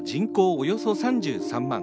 およそ３３万。